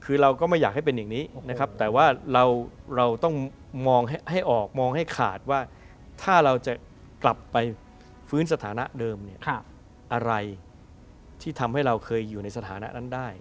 คือเราก็ไม่อยากให้เป็นอย่างนี้นะครับแต่ว่าเราต้องมองให้ออกมองให้ขาดว่าถ้าเราจะกลับไปฟื้นสถานะเดิมเนี่ยอะไรที่ทำให้เราเคยอยู่ในสถานะนั้นได้